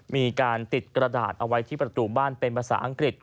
มีการติดกระดาษเอาไว้ที่ประตูบ้านเป็นภาษาอังกฤษ